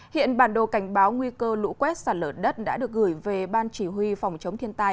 hiện bản đồ cảnh báo nguy cơ lũ quét sạt lở đất đã được gửi về ban chỉ huy phòng chống thiên tai